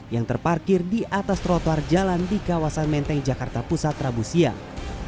yang terparkir di atas trotoar jalan di kawasan menteng jakarta pusat rabu siang